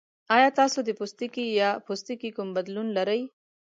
ایا تاسو د پوستکي یا پوستکي کوم بدلون لرئ؟